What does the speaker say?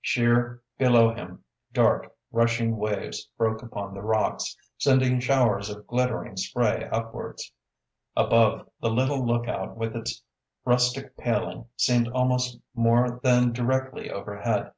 Sheer below him, dark, rushing waves broke upon the rocks, sending showers of glittering spray upwards. Above, the little lookout with its rustic paling seemed almost more than directly overhead.